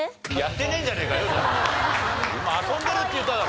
今「遊んでる」って言っただろ。